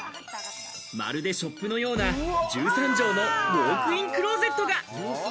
まるでショップのような１３帖のウォークインクロゼットが。